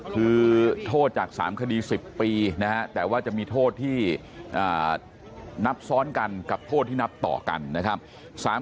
คือโทษจาก๓คดี๑๐ปีนะฮะแต่ว่าจะมีโทษที่นับซ้อนกันกับโทษที่นับต่อกันนะครับ